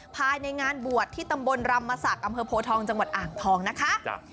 ภายในงานบวชที่ตำบลรำศักดิ์อำเภอโพทองจังหวัดอ่างทองนะคะ